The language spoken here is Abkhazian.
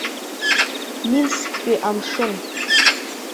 Минсктәи амшын.